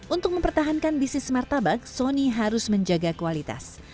untuk mempertahankan bisnis martabak soni harus menjaga kualitas